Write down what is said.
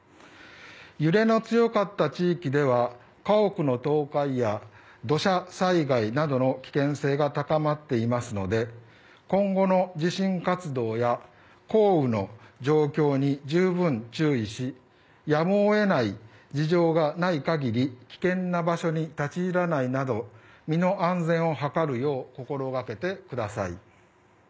揺れの強かった地域では家屋の倒壊や土砂災害などの危険性が高まっていますので今後の地震活動や降雨の状況に十分注意しやむを得ない事情がない限り危険な場所に立ち入らないなど身の安全を図るよう心掛けてください。